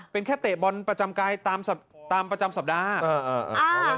เป็นแค่เตะบอลประจำกายตามประจำสัปดาห์